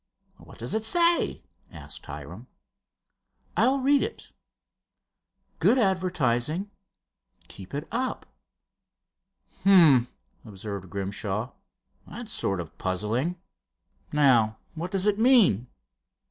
"What does it say?" asked Hiram. "I'll read it: 'Good advertising—keep it up.'" "H'm," observed Grimshaw. "That's sort of puzzling. Now, what does it mean?"